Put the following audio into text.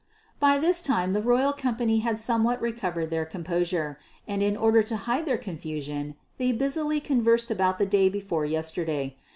By this time the royal company had somewhat recovered their composure, and in order to hide their confusion were busily conversing about the day before yesterday.